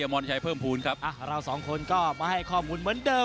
มรชัยเพิ่มภูมิครับเราสองคนก็มาให้ข้อมูลเหมือนเดิม